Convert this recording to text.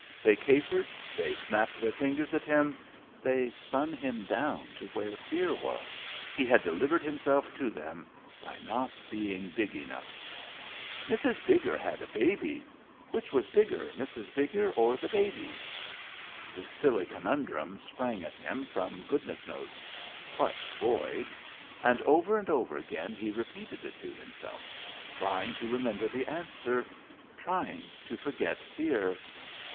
They capered ... they snapped their fingers at him ... they spun him down to where fear was ... he had delivered himself to them, by not being big enough. "Mrs. Bigger had a baby which was bigger, Mrs. Bigger or the baby?" The silly conundrum sprang at him from goodness knows what void and over and over again he repeated it to himself, trying to remember the answer, trying to forget fear....